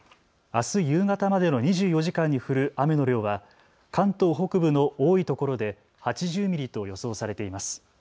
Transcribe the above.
あす夕方までの２４時間に降る雨の量は関東北部の多いところで８０ミリと予想されています。